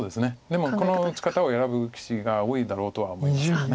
でもこの打ち方を選ぶ棋士が多いだろうとは思いますけど。